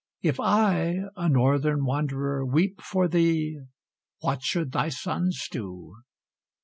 If I, a northern wanderer, weep for thee, What should thy sons do?